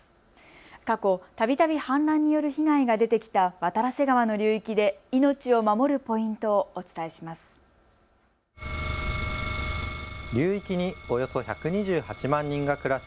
過去、たびたび氾濫による被害が出てきた渡良瀬川の流域で命を守るポイントをお伝えします。